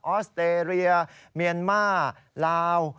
ออสเตรียเมียนมาร์ลาว